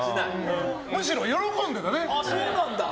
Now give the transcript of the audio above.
むしろ喜んでたね。